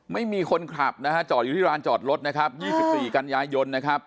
ไม่มีคนขับนะฮะจอดอยู่ที่ร้านจอดรถนะครับยี่สิบสี่การย้ายยนต์นะครับ